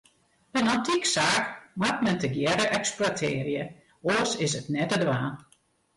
In antyksaak moat men tegearre eksploitearje, oars is it net te dwaan.